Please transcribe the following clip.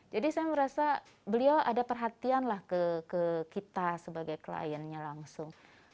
jadi saya merasa beliau ada perhatian lah ke kita sebagai kliennya langsung